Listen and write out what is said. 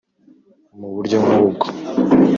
Mu buryo nk ubwo